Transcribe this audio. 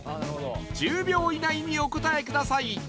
１０秒以内にお答えください